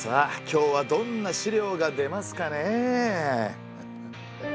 今日はどんな資料が出ますかねえ。